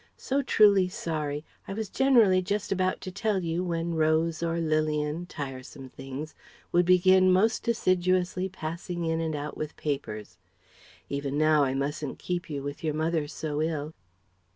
"So truly sorry! I was generally just about to tell you when Rose or Lilian tiresome things! would begin most assiduously passing in and out with papers. Even now I mustn't keep you, with your mother so ill..."